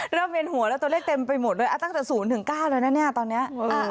เริ่มเวียนหัวแล้วตัวเลขเต็มไปหมดเลยตั้งแต่ศูนย์ถึงเก้าเลยนะเนี่ยตอนนี้